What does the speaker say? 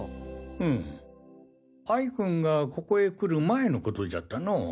うむ哀君がここへ来る前のことじゃったのォ。